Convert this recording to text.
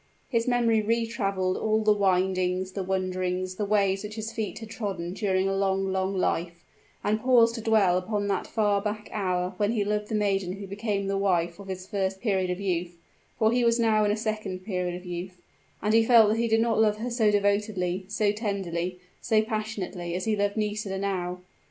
His memory re traveled all the windings, and wanderings, and ways which his feet had trodden during a long, long life, and paused to dwell upon that far back hour when he loved the maiden who became the wife of his first period of youth for he was now in a second period of youth; and he felt that he did not love her so devotedly so tenderly so passionately as he loved Nisida now.